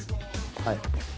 はい。